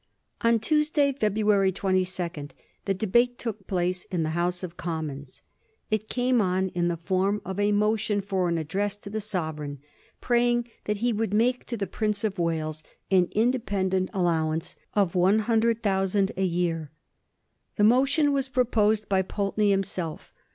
On Tuesday, February 22d, the debate took place in the House of Commons. It came on in the form of a motion for an address to the Sovereign, praying that he would /nake to the Prince of Wales an independent allowance of one hundred thousand a year. The motion was pro posed by Pulteney himself.